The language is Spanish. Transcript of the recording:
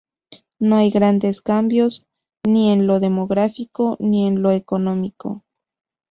No hay grandes cambios ni en lo demográfico ni en lo económico.